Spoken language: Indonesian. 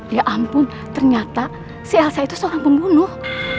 ya ampun ternyata si elsa itu seorang pembunuh